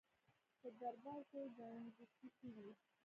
په دربار کې ګنګوسې شوې.